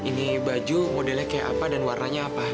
ini baju modelnya kayak apa dan warnanya apa